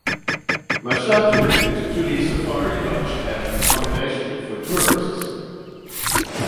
Mashatu and Tuli Safari Lodge have accommodation for tourists.